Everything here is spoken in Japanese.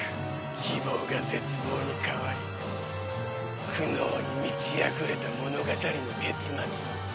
希望が絶望に変わり苦悩に満ちあふれた物語の結末を。